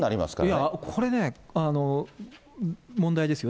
いや、これね、問題ですよ。